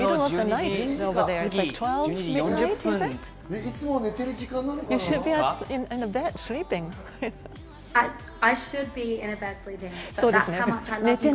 いつも寝てる時間かな？